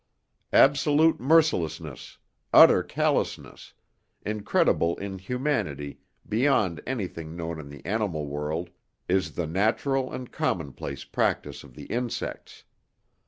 Absolute mercilessness, utter callousness, incredible inhumanity beyond anything known in the animal world is the natural and commonplace practice of the insects.